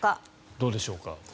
どうでしょう。